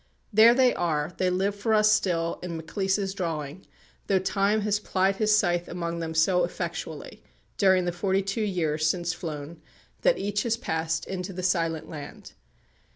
There they are: they live for us still in Maclise's drawing, though Time has plied his scythe among them so effectually, during the forty two years since flown, that each has passed into the silent land.